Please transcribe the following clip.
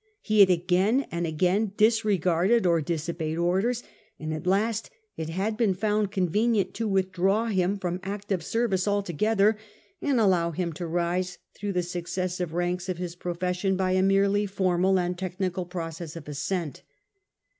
He had again and again disregarded or disobeyed orders, and at last it had been found convenient to withdraw him from active service altogether, and allow him to rise through the successive ranks of his profession by a merely formal and technical process of ascent.